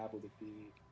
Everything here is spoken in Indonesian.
terima kasih mbak eva